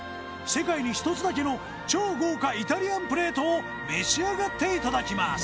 世界に一つだけの超豪華イタリアンプレートを召し上がっていただきます